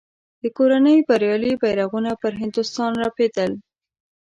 د کورنۍ بریالي بیرغونه پر هندوستان رپېدل.